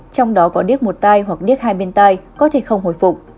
trong đó có điếc một tai hoặc điếc hai bên tay có thể không hồi phục